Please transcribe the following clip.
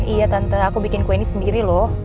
iya tante aku bikin kue ini sendiri loh